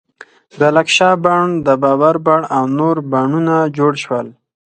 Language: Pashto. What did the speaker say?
د لکشا بڼ، د بابر بڼ او نور بڼونه جوړ شول.